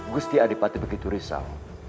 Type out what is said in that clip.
gusti adipati begitu risau